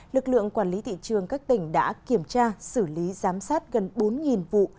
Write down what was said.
lực lượng quản lý thị trường các tỉnh đã kiểm tra xử lý giám sát gần bốn vụ